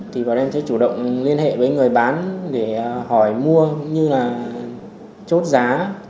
thì bọn em sẽ chủ động liên hệ với người bán để hỏi mua cũng như là chốt giá